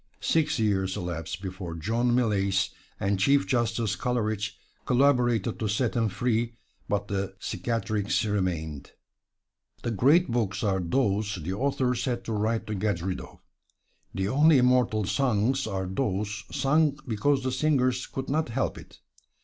Six years elapsed before John Millais and Chief Justice Coleridge collaborated to set him free, but the cicatrix remained. The great books are those the authors had to write to get rid of; the only immortal songs are those sung because the singers could not help it.